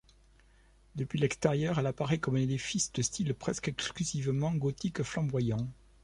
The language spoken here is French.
Depuis l'extérieur, elle apparaît comme un édifice de style presque exclusivement gothique flamboyant.